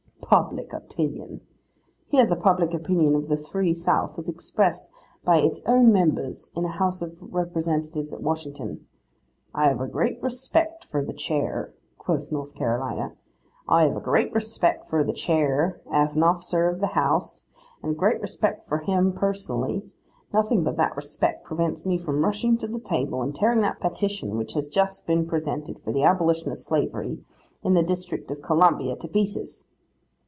Public opinion! hear the public opinion of the free South, as expressed by its own members in the House of Representatives at Washington. 'I have a great respect for the chair,' quoth North Carolina, 'I have a great respect for the chair as an officer of the house, and a great respect for him personally; nothing but that respect prevents me from rushing to the table and tearing that petition which has just been presented for the abolition of slavery in the district of Columbia, to pieces.